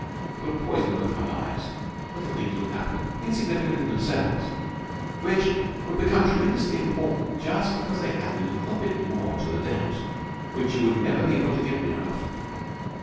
It would poison both our lives. Little things would happen, insignificant in themselves, which would become tremendously important just because they added a little bit more to the doubt which you would never be able to get rid of.